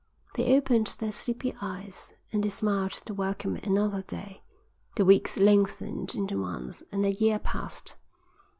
They opened their sleepy eyes and they smiled to welcome another day. The weeks lengthened into months, and a year passed.